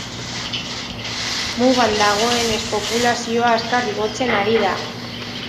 Mugan dagoenez populazioa azkar igotzen ari da.